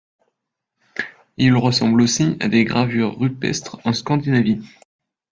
Il ressemble aussi à des gravures rupestres en Scandinavie.